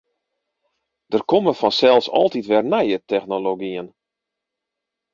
Der komme fansels altyd wer nije technologyen.